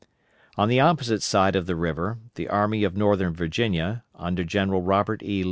On the opposite side of the river, the Army of Northern Virginia, under General Robert E.